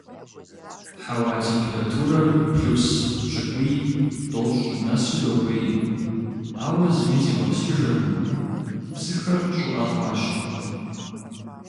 Хьэуа температурэр плюс пщӏыкӏуй–тӏощӏ нэсу докӀуей, ауэ зыми зигъэпскӀыжыркъым, псыхэр щӀыӀэ хъуащи.